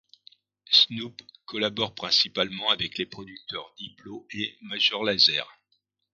Snoop collabore principalement avec les producteurs Diplo et Major Lazer.